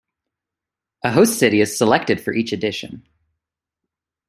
A host city is selected for each edition.